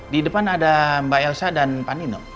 di depan ada mbak elsa dan pak nino